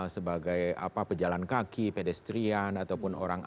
sebagai apa pejalan kaki pedestrian ataupun orang lain